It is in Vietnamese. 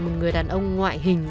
một người đàn ông ngoại hình